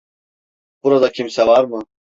Burada kimse var mı?